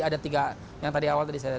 ada tiga yang tadi awal tadi saya